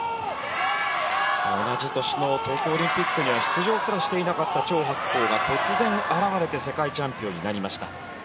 同じ年の東京オリンピックに出場すらしていなかったチョウ・ハクコウが突然現れて世界チャンピオンになりました。